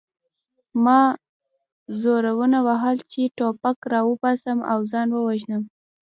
ما زورونه وهل چې ټوپک راوباسم او ځان ووژنم